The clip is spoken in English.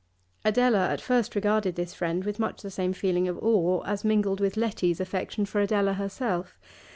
Adela at first regarded this friend with much the same feeling of awe as mingled with Letty's affection for Adela herself.